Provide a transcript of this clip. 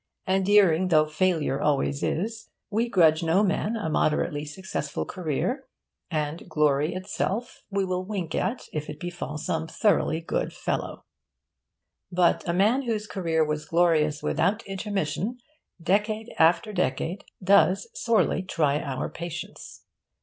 Endearing though failure always is, we grudge no man a moderately successful career, and glory itself we will wink at if it befall some thoroughly good fellow. But a man whose career was glorious without intermission, decade after decade, does sorely try our patience.